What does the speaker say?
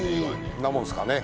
こんなものですかね。